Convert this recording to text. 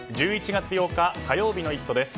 １１月８日、火曜日の「イット！」です。